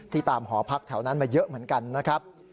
ตามหอพักแถวนั้นมาเยอะเหมือนกันนะครับ